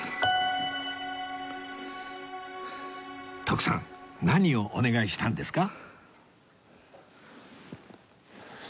徳さん何をお願いしたんですか？